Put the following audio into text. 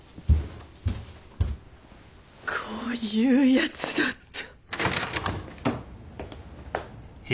こういうヤツだった。